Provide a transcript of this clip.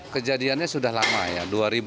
kejadiannya sudah lama ya dua ribu dua